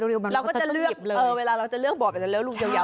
เราก็จะเลือกเลยเออเวลาเราจะเลือกบ่อมันจะเลี้ยลูกยาว